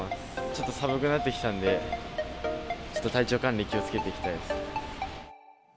ちょっと寒くなってきたんで、ちょっと体調管理に気をつけていきたいです。